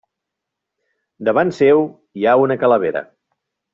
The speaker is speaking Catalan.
Davant seu hi ha una calavera.